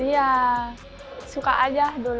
pensinya sama kayola sama teh wilda